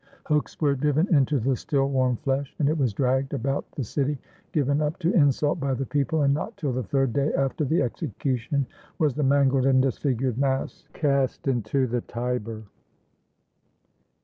Hooks were driven into the still warm flesh, and it was dragged about the city, given up to insult by the people, and not till the third day after the execution was the mangled and disfigured mass cast into the Tiber.